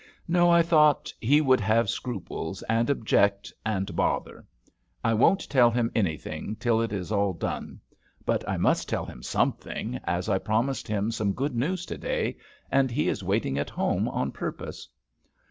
No, I thought; he would have scruples, and object, and bother. I won't tell him anything till it is all done; but I must tell him something, as I promised him some good news to day, and he is waiting at home on purpose.